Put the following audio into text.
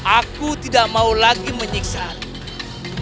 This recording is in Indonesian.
aku tidak mau lagi menyiksa arimbi